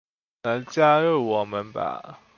來加入我們吧